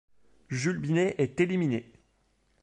Jules Binet est éliminé.